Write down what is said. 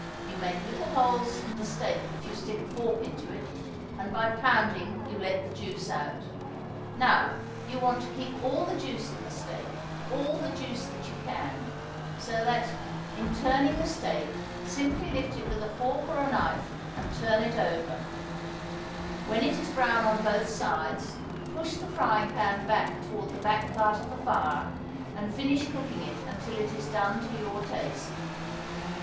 You make little holes in the steak if you stick a fork into it, and by pounding you let the juice out. Now, you want to keep all the juice in the steak, all the juice that you can; so that, in turning the steak simply lift it with a fork or knife and turn it over; when it is brown on both sides push the frying pan back toward the back part of the fire, and finish cooking it until it is done to your taste.